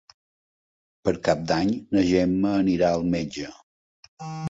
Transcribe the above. Per Cap d'Any na Gemma anirà al metge.